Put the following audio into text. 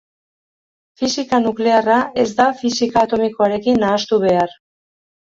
Fisika nuklearra ez da fisika atomikoarekin nahastu behar.